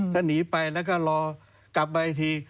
ถ้าหนีไปแล้วก็รอกลับมาอีกที